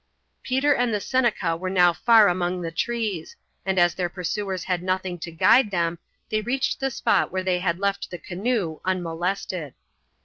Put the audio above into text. Peter and the Seneca were now far among the trees, and as their pursuers had nothing to guide them, they reached the spot where they had left the canoe unmolested.